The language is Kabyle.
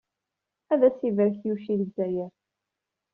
Ad as-ibarek Yuc i Lezzayer.